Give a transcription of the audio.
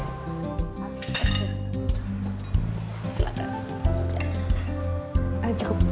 mari terima kasih